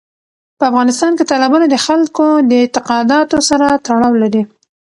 په افغانستان کې تالابونه د خلکو د اعتقاداتو سره تړاو لري.